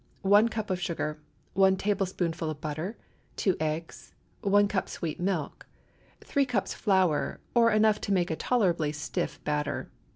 ✠ 1 cup of sugar. 1 tablespoonful of butter. 2 eggs. 1 cup sweet milk. 3 cups flour, or enough to make a tolerably stiff batter.